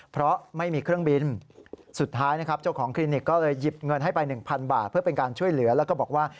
เพื่อเป็นการช่วยเหลือแล้วก็บอกว่า